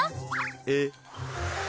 えっ？